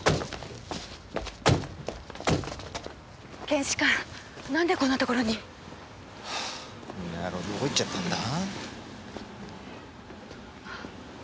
検視官なんでこんなところに？あの野郎どこ行っちゃったんだ？